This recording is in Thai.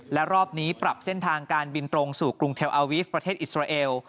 และรอบนี้ปรับเส้นทางการบินตรงสู่กรุงเทลอาวิฟต์ประเทศอิสราเอล